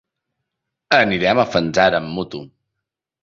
Anirem a Fanzara amb moto.